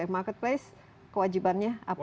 eh marketplace kewajibannya apa